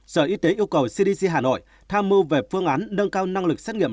sở y tế yêu cầu cdc hà nội tham mưu về phương án nâng cao năng lực xét nghiệm